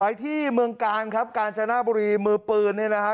ที่เมืองกาลครับกาญจนบุรีมือปืนเนี่ยนะฮะ